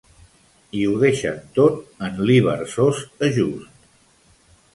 I ho deixen tot en l'ivarsós ajust.